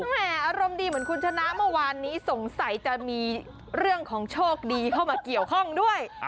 แม่อารมณ์ดีเหมือนคุณชนะเมื่อวานนี้สงสัยจะมีเรื่องของโชคดีเข้ามาเกี่ยวข้องด้วย